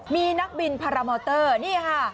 มีนักบินพารามอเตอร์นี่ค่ะ